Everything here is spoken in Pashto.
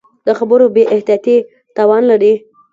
د خبرو بې احتیاطي تاوان لري